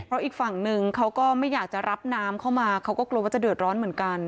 เพราะอีกฝั่งหนึ่งเขาก็ไม่อยากจะรับน้ำเข้ามาเขาก็กลัวว่าจะเดือดร้อนเหมือนกัน